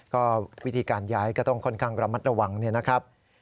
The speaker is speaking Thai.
ก็วิธีการย้ายก็ต้องค่อนข้างระมัดระวังเนี่ยนะครับ